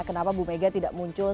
kenapa bu mega tidak muncul